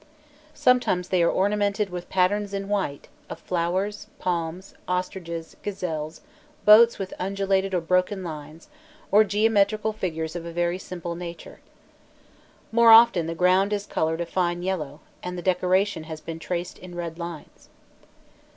Sometimes they are ornamented with patterns in white of flowers, palms, ostriches, gazelles, boats with undulated or broken lines, or geometrical figures of a very simple nature. More often the ground is coloured a fine yellow, and the decoration has been traced in red lines.